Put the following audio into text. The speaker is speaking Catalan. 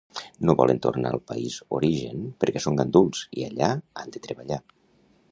No volen tornar al país origen perquè són ganduls i allà han de treballar